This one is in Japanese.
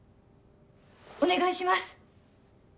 お願いします。